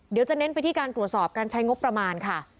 เดี๋ยวจะเน้นไปที่การตรวจสอบการใช้งบประมาณค่ะ